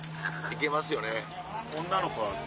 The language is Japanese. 行けますよね。